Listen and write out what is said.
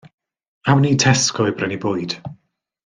Awn ni i Tesco i brynu bwyd.